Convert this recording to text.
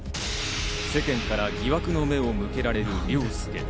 世間から疑惑の目を向けられる凌介。